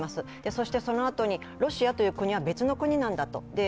そしてそのあとに、ロシアという国は別の国なんだと。